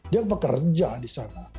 dia pekerja di sana